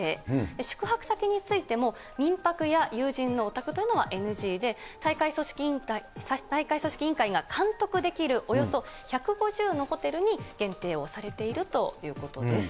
宿泊先についても、民泊や友人のお宅というのはＮＧで、大会組織委員会が監督できるおよそ１５０のホテルに限定をされているということです。